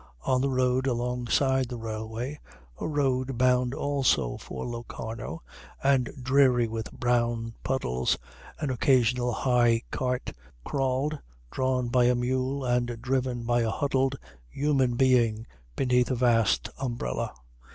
On the road alongside the railway, a road bound also for Locarno and dreary with brown puddles, an occasional high cart crawled drawn by a mule and driven by a huddled human being beneath a vast umbrella.